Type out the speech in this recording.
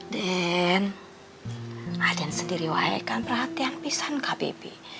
den aden sendiri wajahkan perhatian pisang kak bebe